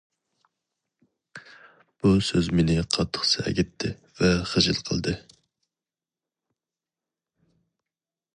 بۇ سۆز مېنى قاتتىق سەگىتتى ۋە خىجىل قىلدى.